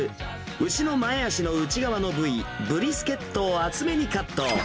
牛の前脚の内側の部位、ブリスケットを厚めにカット。